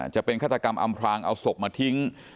จะเป็นฆาตกรรมอำพรางเอาศพมาทิ้ง